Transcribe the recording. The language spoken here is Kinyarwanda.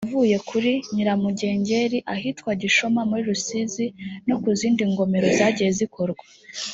ayavuye kuri Nyiramugengeri ahitwa Gishoma muri Rusizi no ku zindi ngomero zagiye zikorwa